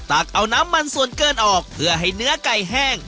ตักเอาน้ำมันส่วนเกินออกเพื่อให้เนื้อไก่แห้ง